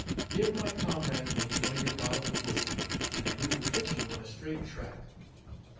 Give my comrade and me one of your bottles of whisky, and we will put you on a straight track.